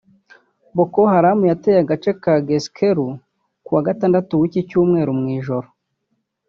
Boko Haram yateye agace ka Gueskérou ku wa gatatu w’iki cyumweru mu ijoro